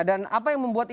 dan apa yang membuat ini